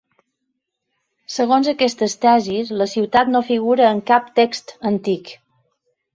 Segons aquestes tesis la ciutat no figura en cap text antic.